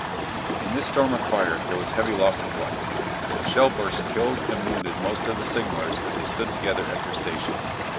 In this storm of fire there was heavy loss of life. A shell burst killed and wounded most of the signallers as they stood together at their station.